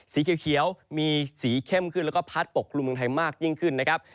สีเขียวมีสีเข้มขึ้นแล้วก็พัดปกครุมเมืองไทยมากยิ่งขึ้นนะครับ